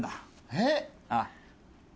えっ！ああ。